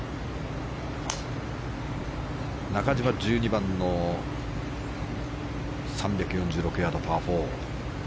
中島、１２番、３４６ヤードパー４。